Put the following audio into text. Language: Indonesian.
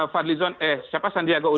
fadlizon eh siapa sandiaga uno